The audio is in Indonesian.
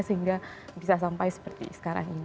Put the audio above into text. sehingga bisa sampai seperti sekarang ini